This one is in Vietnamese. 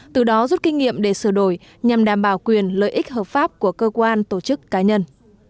từ đó rút kinh nghiệm để sửa đổi nhằm đảm bảo quyền lợi ích hợp pháp của cơ quan tổ chức cá nhân